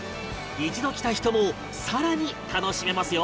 一度来た人もさらに楽しめますよ